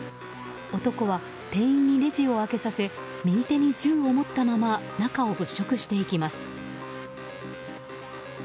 男は店員にレジを開けさせ右手に銃を持ったまま中を物色していきます。